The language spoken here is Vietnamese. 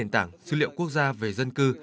trên nền tảng dữ liệu quốc gia về dân cư